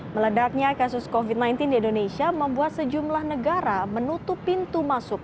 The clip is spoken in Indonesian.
meledaknya kasus covid sembilan belas di indonesia membuat sejumlah negara menutup pintu masuk